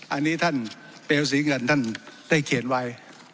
อันนี้ท่านเปลวศรีเงินท่านได้เขียนไว้